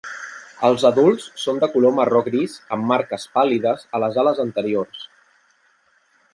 Els adults són de color marró gris amb marques pàl·lides a les ales anteriors.